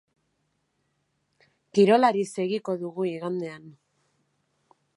Kirolari segiko dugu igandean.